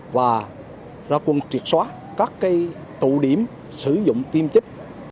và ra quân triệt xóa các tụ điểm sử dụng tiêm trích